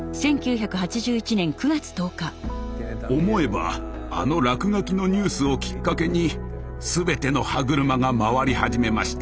思えばあの落書きのニュースをきっかけに全ての歯車が回り始めました。